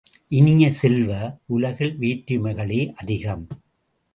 இனிய செல்வ, உலகில் வேற்றுமைகளே அதிகம்.